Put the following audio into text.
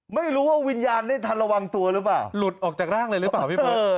ไม่รู้ว่าวิญญาณได้ทันระวังตัวหรือเปล่าหลุดออกจากร่างเลยหรือเปล่าพี่เบิร์ต